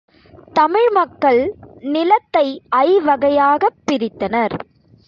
தமிழ் மக்கள் நிலத்தை ஐவகையாகப் பிரித்தனர்.